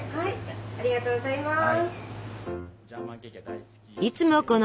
ありがとうございます。